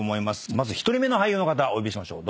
まず１人目の俳優の方お呼びしましょう。